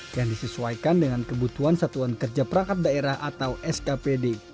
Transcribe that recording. yang disesuaikan dengan kebutuhan satuan kerja perangkat daerah atau skpd